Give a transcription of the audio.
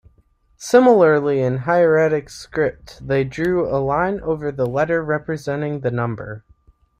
Similarly in hieratic script they drew a line over the letter representing the number.